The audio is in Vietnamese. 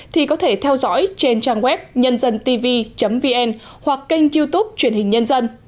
thì có thể theo dõi trên trang web nhândântv vn hoặc kênh youtube truyền hình nhân dân